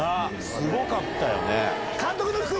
すごかったよね。